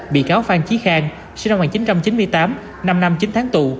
bị cáo phan trí khang sinh năm một nghìn chín trăm chín mươi tám năm năm chín tháng tù